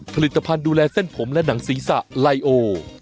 ผลิตภัณฑ์ดูแลเส้นผมและหนังศีรษะไลโอ